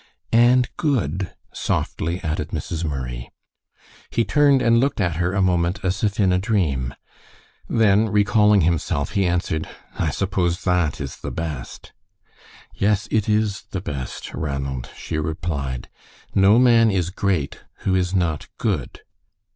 "And good," softly added Mrs. Murray. He turned and looked at her a moment as if in a dream. Then, recalling himself, he answered, "I suppose that is the best." "Yes, it is the best, Ranald," she replied. "No man is great who is not good.